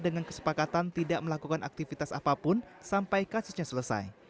dengan kesepakatan tidak melakukan aktivitas apapun sampai kasusnya selesai